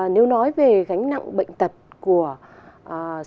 nếu nói về gánh nặng bệnh tật của copd